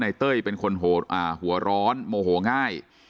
เต้ยเป็นคนหัวร้อนโมโหง่าย